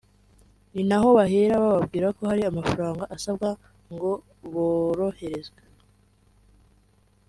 ni naho bahera bababwira ko hari amafaranga asabwa ngo boroherezwe